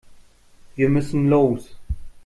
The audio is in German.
Wir müssen los.